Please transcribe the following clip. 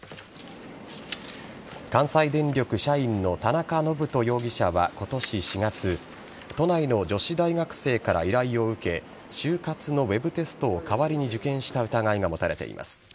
関西電力社員の田中信人容疑者は今年４月都内の女子大学生から依頼を受け就活のウェブテストを代わりに受験した疑いが持たれています。